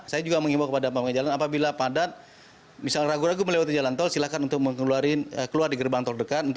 saya juga mengimbau kepada pemilik jalan apabila padat misalnya ragu ragu melewati jalan tol silakan untuk keluar di gerbang tol dekat